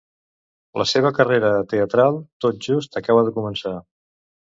La seva carrera teatral tot just acaba de començar.